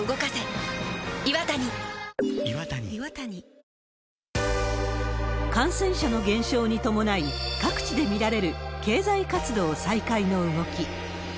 「信金中央金庫」感染者の減少に伴い、各地で見られる経済活動再開の動き。